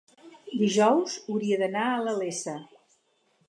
Dijous hauria d'anar a la Iessa.